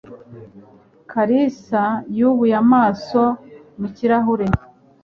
Kalisa yubuye amaso mu kirahure